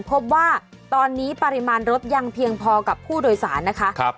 พบว่าตอนนี้ปริมาณรถยังเพียงพอกับผู้โดยสารนะคะ